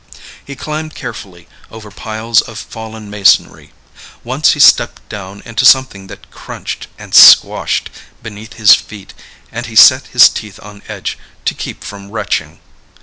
He climbed carefully over piles of fallen masonry. Once he stepped down into something that crunched and squashed beneath his feet and he set his teeth on edge to keep from retching.